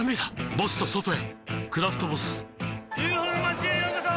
ボスと外へ「クラフトボス」ＵＦＯの町へようこそ！